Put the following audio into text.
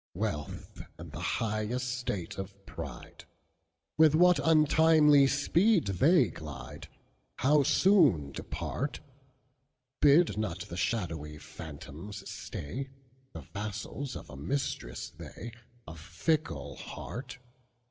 Wealth and the high estate of pride, With what untimely speed they glide, How soon depart! Bid not the shadowy phantoms stay, The vassals of a mistress they, Of fickle heart.